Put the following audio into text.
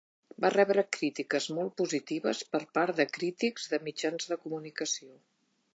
Va rebre crítiques molt positives per part de crítics de mitjans de comunicació.